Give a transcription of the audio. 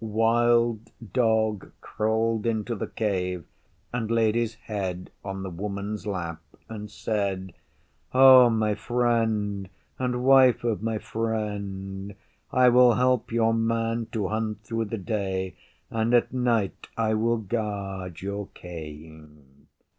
Wild Dog crawled into the Cave and laid his head on the Woman's lap, and said, 'O my Friend and Wife of my Friend, I will help Your Man to hunt through the day, and at night I will guard your Cave.